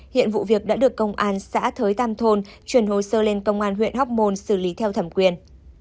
hiện vụ việc đã được công an xã thới tam thôn chuyển hồ sơ lên công an huyện hóc môn xử lý theo thẩm quyền